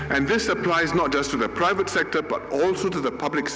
ini tidak hanya menyebutkan sektor pribadi tapi juga sektor publik